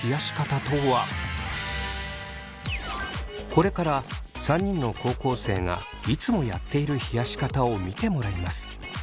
これから３人の高校生がいつもやっている冷やし方を見てもらいます。